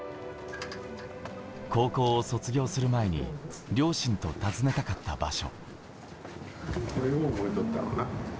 高校を卒業する前に両親と訪ねたかった場所。